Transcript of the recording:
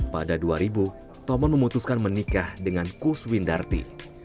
pada dua ribu tomon memutuskan menikah dengan kus windarty